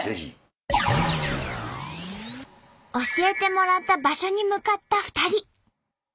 教えてもらった場所に向かった２人。